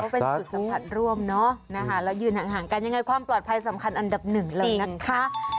เป็นจุดสัมผัสร่วมเนอะนะคะแล้วยืนห่างกันยังไงความปลอดภัยสำคัญอันดับหนึ่งเลยนะคะ